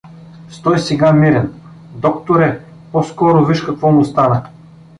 — Стой сега мирен… Докторе, по-скоро виж какво му стана!